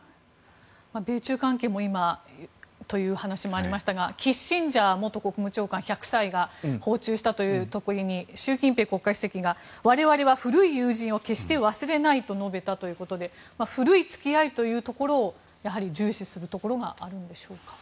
米中関係もという話もありましたがキッシンジャー元国務長官１００歳が訪中したという時に習近平国家主席が我々は古い友人を決して忘れないと述べたということで古い付き合いというところをやはり重視するところがあるんでしょうか。